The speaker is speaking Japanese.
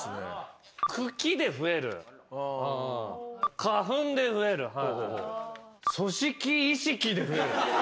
「茎で増える」「花粉で増える」「組織いしきで増える」